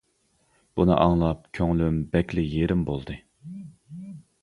بۇنى ئاڭلاپ كۆڭلۈم بەكلا يېرىم بولدى.